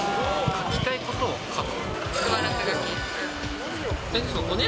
書きたいことを書く？